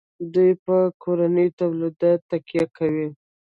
دوی په کورنیو تولیداتو تکیه کوي.